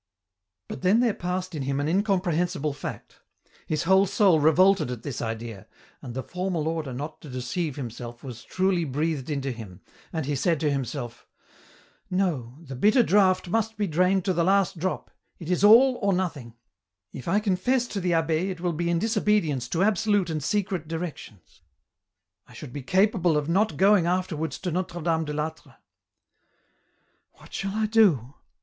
But then there passed in him an incomprehensible fact : his whole soul revolted at this idea, and the formal order not to deceive himself was truly breathed into him, and he said to himself :" No, the bitter draught must be drained to the last drop, it is all or nothing ; if I confess to the abb6 it will be in disobedience to absolute and secret directions ; I should be capable of not going afterwards to Notre Dame de I'Atre. " What shall I do